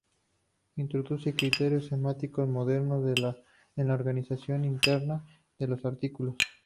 Introduce criterios semánticos modernos en la organización interna de los artículos.